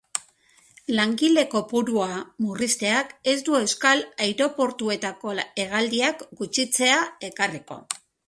Langile kopurua murrizteak ez du euskal aireportuetako hegaldiak gutxitzea ekarriko.